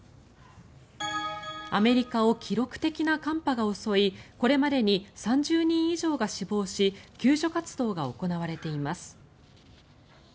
アメリカを記録的な寒波が襲いこれまでに３０人以上が死亡し救助活動が行われています。